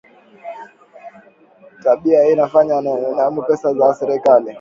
Tabia hii inafanya wanaiba pesa za serikali